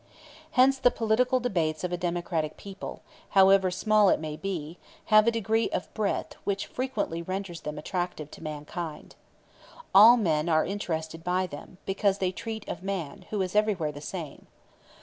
Hence the political debates of a democratic people, however small it may be, have a degree of breadth which frequently renders them attractive to mankind. All men are interested by them, because they treat of man, who is everywhere the same.